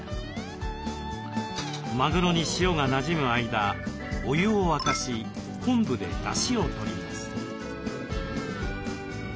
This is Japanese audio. マグロに塩がなじむ間お湯を沸かし昆布で出汁をとります。